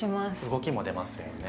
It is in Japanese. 動きも出ますよね。